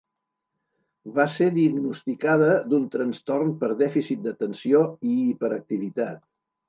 Va ser diagnosticada d'un trastorn per dèficit d'atenció i hiperactivitat.